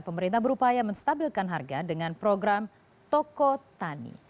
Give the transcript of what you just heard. pemerintah berupaya menstabilkan harga dengan program toko tani